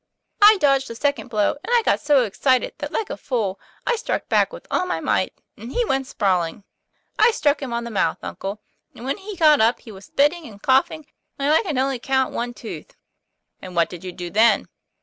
I dodged the second blow, and I got so excited that like a fool I struck back with all my might, and he went sprawling. I struck him on the mouth, uncle, and when he got up he was spitting and coughing, and I could only count one tooth." " And what did you do then